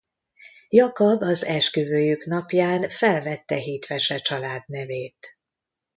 Jakab az esküvőjük napján felvette hitvese családnevét.